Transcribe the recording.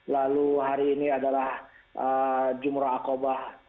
lalu hari ini adalah jumroh akobah